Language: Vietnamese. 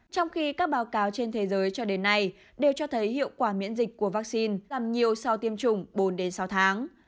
trong khi các báo cáo trên thế giới cho đến nay đều cho thấy hiệu quả miễn dịch của vaccine làm nhiều sau tiêm chủng bốn sáu tháng